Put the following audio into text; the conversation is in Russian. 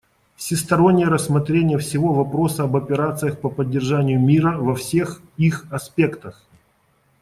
Всестороннее рассмотрение всего вопроса об операциях по поддержанию мира во всех их аспектах.